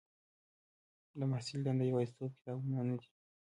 د محصل دنده یوازې کتابونه نه دي.